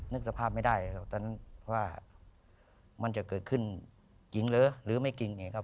นึกสภาพไม่ได้ครับแล้วนึกว่ามันจะเกิดขึ้นหรือไม่หรือกินไงครับ